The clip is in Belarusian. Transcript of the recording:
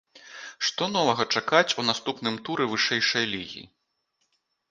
Што новага чакаць у наступным туры вышэйшай лігі?